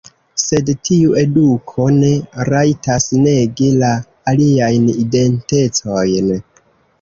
Sed tiu eduko ne rajtas negi la aliajn identecojn.